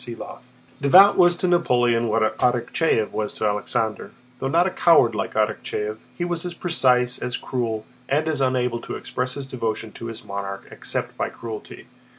CHAPTER V Davout was to Napoleon what Arakchéev was to Alexander—though not a coward like Arakchéev, he was as precise, as cruel, and as unable to express his devotion to his monarch except by cruelty.